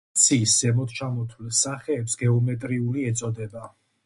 აბერაციის ზემოჩამოთვლილ სახეებს გეომეტრიული ეწოდება.